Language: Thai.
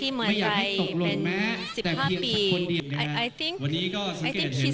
ถึงความรู้สึกที่ได้เป็นส่วนหนึ่งของงานในครั้งนี้ว่าเป็นอีกหนึ่งความภูมิใจในชีวิต